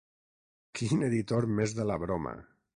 Quin editor més de la broma!